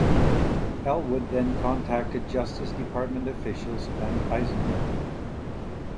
Elwood then contacted Justice Department officials and Eisenberg.